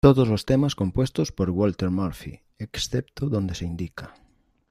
Todos los temas compuestos por Walter Murphy, excepto donde se indica.